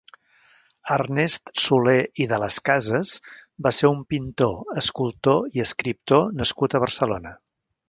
Ernest Soler i de les Cases va ser un pintor, escultor i escriptor nascut a Barcelona.